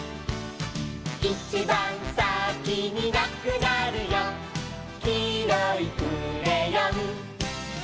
「いちばんさきになくなるよ」「きいろいクレヨン」